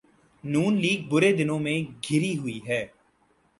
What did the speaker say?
نون league برے دنوں میں گھری ہوئی ہے۔